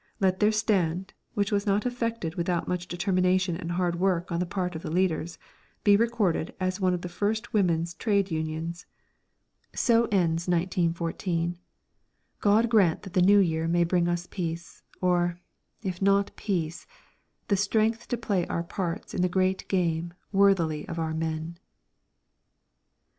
Let their stand, which was not effected without much determination and hard work on the part of the leaders, be recorded as one of the first women's trade unions. So ends 1914. God grant that the New Year may bring us Peace, or, if not Peace, the strength to play our parts in the great game worthily of our men!